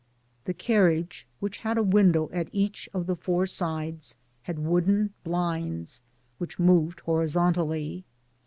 The carriage, which had a window at each of the four sides, had wooden blinds, which moved hori zontally.